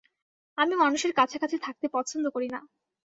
আমি মানুষের কাছাকাছি থাকতে পছন্দ করি না।